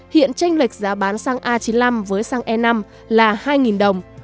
hiện tranh lệch giá bán săng a chín mươi năm với săng e năm là hai đồng